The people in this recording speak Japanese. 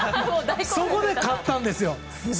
そこで勝ったんですよ。